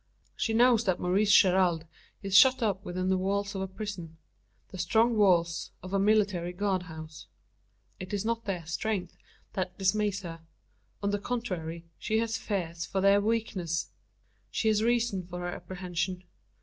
She knows that Maurice Gerald is shut up within the walls of a prison the strong walls of a military guard house. It is not their strength that dismays her. On the contrary, she has fears for their weakness! She has reasons for her apprehension.